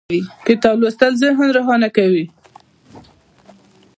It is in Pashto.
کتاب لوستل ذهن روښانه کوي